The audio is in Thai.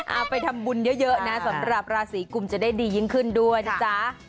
เอาไปทำบุญเยอะนะสำหรับราศีกุมจะได้ดียิ่งขึ้นด้วยนะจ๊ะ